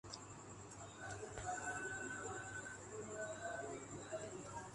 أكرم الشّيم إكرام المُصاحب وإسعاف الطّالب.